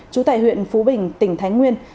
chú tại huyện phú bình tỉnh thái nguyên